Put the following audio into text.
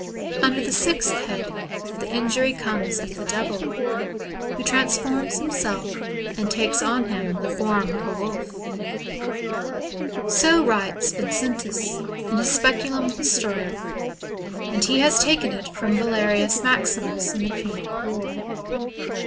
" Under the sixth head, the injury comes of the Devil, who transforms himself, and takes on him the form of a wolf So writes Vincentius in his Speculum Ilistoriale. A SERMON ON WERE WOLVES. 265 And he has taken it from Valerius Maximus in the Punic war.